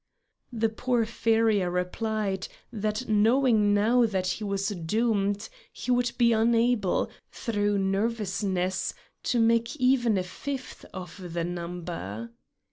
The poor farrier replied, that knowing now that he was doomed he would be unable, through nervousness, to make even a fifth of the number.